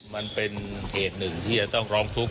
มันเป็นเหตุหนึ่งที่จะต้องร้องทุกข